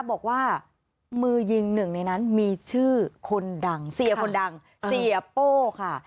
บอกว่ามือยิงหนึ่งในนั้นมีชื่อคนดังเสียคนดังเสียโป้ค่ะ